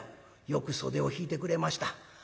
よく袖を引いてくれました。